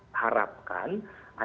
dan mereka bisa memiliki keuntungan